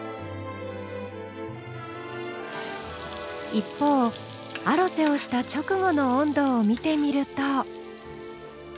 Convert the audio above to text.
一方アロゼをした直後の温度を見てみると。